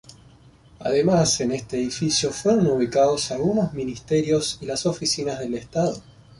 Además en este edificio fueron ubicados algunos ministerios y las oficinas del estado.